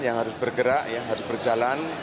yang harus bergerak ya harus berjalan